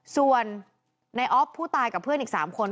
ส่วนในออฟผู้ตายกับเพื่อนอีก๓คน